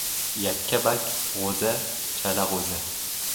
Yakkabarg g‘o‘za — chala g‘o‘za!